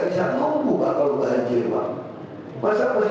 yang pun tak mau bawa